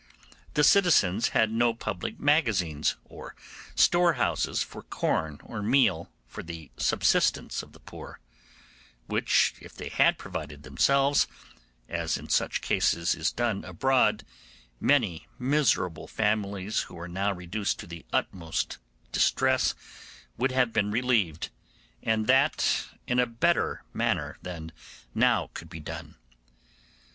The citizens had no public magazines or storehouses for corn or meal for the subsistence of the poor, which if they had provided themselves, as in such cases is done abroad, many miserable families who were now reduced to the utmost distress would have been relieved, and that in a better manner than now could be done.